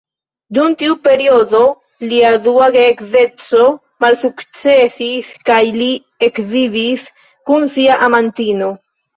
Dum tiu periodo, lia dua geedzeco malsukcesis kaj li ekvivis kun sia amantino.